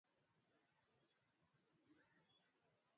Mwinyi akipata kura mia moja ishirini na tisa